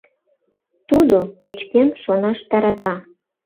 Тудо кеч-кӧм шонаш тарата.